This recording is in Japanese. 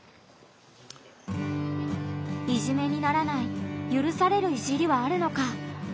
「いじめ」にならないゆるされる「いじり」はあるのか。